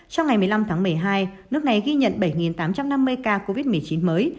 trong ngày một mươi năm tháng một mươi hai nước này ghi nhận bảy tám trăm năm mươi ca covid một mươi chín mới